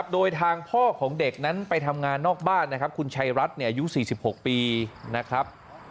โดยทางพ่อของเด็กนั้นไปทำงานนอกบ้านนะครับคุณชัยรัฐอายุ๔๖ปีนะครับ